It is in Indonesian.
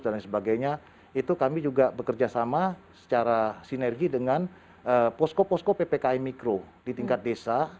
dan sebagainya itu kami juga bekerja sama secara sinergi dengan posko posko ppki mikro di tingkat desa